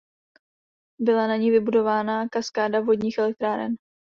Byla na ní vybudována kaskáda vodních elektráren.